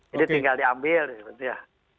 jadi tinggal diambil gitu ya